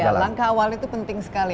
langkah awalnya itu penting sekali